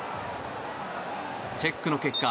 チェックの結果